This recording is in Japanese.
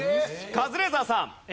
カズレーザーさん。